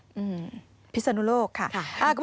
อืมพิษณุโลกค่ะค่ะ